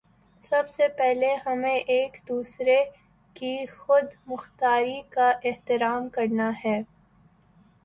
سب سے پہلے ہمیں ایک دوسرے کی خود مختاری کا احترام کرنا ہے۔